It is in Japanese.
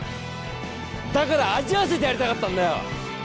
だから味わわせてやりたかったんだよ。